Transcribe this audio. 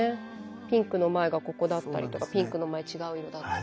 ピンクの前がここだったりとかピンクの前違う色だったり。